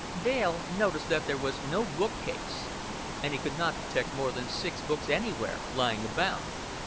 Dale noticed that there was no bookcase, and he could not detect more than six books anywhere lying about.